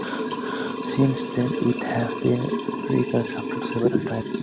Since then, it has been reconstructed several times.